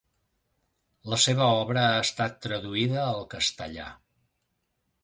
La seva obra ha estat traduïda al castellà.